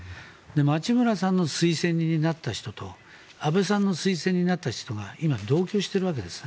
町村さんの推薦人になった人と安倍さんの推薦人になった人が今、同居しているわけです。